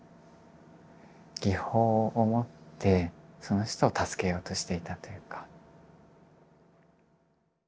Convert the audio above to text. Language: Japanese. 技法をもってその人を助けようとしていたというか。